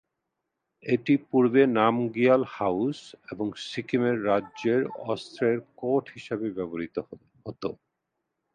এটি পূর্বে নামগিয়াল হাউস এবং সিকিমের রাজ্যের অস্ত্রের কোট হিসাবে ব্যবহৃত হত।